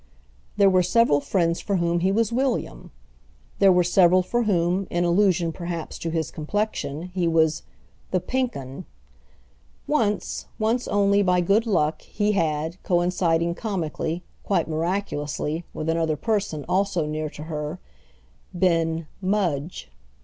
There were several friends for whom he was William. There were several for whom, in allusion perhaps to his complexion, he was "the Pink 'Un." Once, once only by good luck, he had, coinciding comically, quite miraculously, with another person also near to her, been "Mudge."